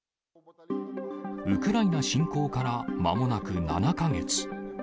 ウクライナ侵攻からまもなく７か月。